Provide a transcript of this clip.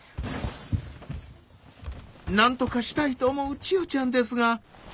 なんとかしたいと思う千代ちゃんですが。